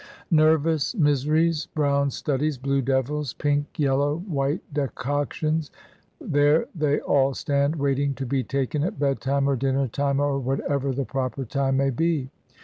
I 73 Nervous miseries, brown studies, blue devils, pink, yellow, white decoctions, there they all stand waiting to be taken at bedtime or dinner time, or whatever the proper time may be.)